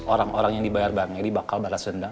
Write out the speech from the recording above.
orang orang yang dibayar bank ini bakal balas denda